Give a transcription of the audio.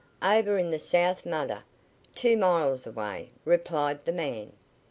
"Over in th' south medder, two miles away," replied the man.